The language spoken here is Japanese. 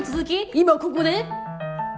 今ここで？